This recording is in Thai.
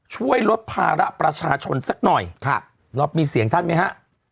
ช่วยลดภาระประชาชนสักหน่อยค่ะเรามีเสียงท่านไหมฮะ